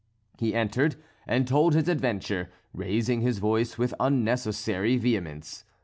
He entered and told his adventure, raising his voice with unnecessary vehemence.